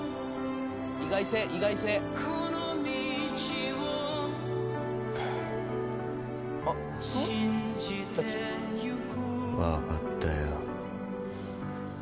意外性意外性分かったよ